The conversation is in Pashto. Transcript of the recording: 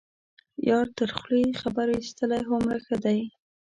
یار تر خولې خبر یستلی هومره ښه ده.